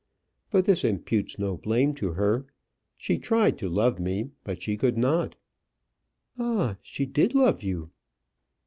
But this imputes no blame to her. She tried to love me, but she could not." "Ah! she did love you."